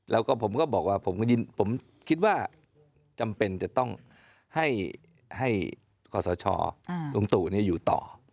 แล้วก็ผมก็บอกว่าผมคิดว่าจำเป็นจะต้องให้ขอสชลุงตู่อยู่ต่อ